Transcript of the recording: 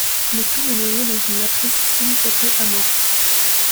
Le tout est noyé dans une matrice silicatée amorphe.